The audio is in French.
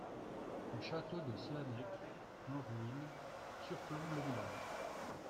Le château de Slanec, en ruine, surplombe le village.